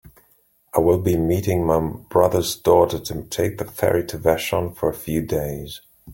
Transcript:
I will be meeting my brother's daughter to take the ferry to Vashon for a few days.